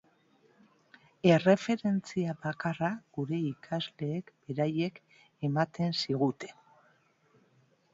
Erreferentzia bakarra gure ikasleek beraiek ematen ziguten.